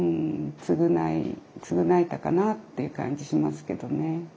償い償えたかなっていう感じしますけどね。